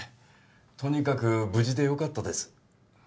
とにかく無事でよかったです